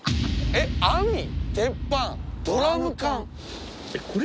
「網・鉄板・ドラム缶」。